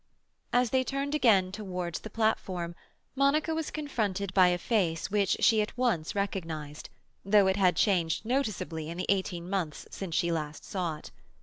As they turned again towards the platform, Monica was confronted by a face which she at once recognized, though it had changed noticeably in the eighteen months since she last saw it.